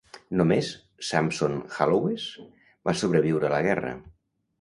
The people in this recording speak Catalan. Només Sansom-Hallowes va sobreviure a la guerra.